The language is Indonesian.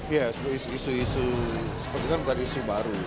iya isu isu seperti itu kan bukan isu baru